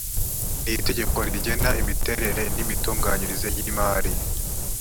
ni itegeko rigena imiterere n’imitunganyirize y’imari